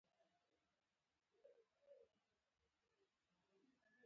په خړ خوړ کې، د خړ خرهٔ خړه پښه وښیوده.